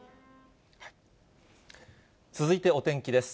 続いて、お天気です。